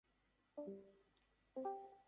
তার বিরুদ্ধে যুদ্ধ করলে মরে যাব নাহলে মরবো না কি?